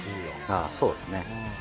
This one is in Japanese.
ああそうですね。